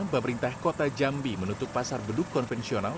pemerintah kota jambi menutup pasar beduk konvensional